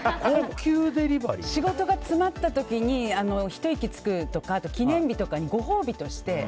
仕事が詰まった時にひと息つくとか記念日とかにご褒美として。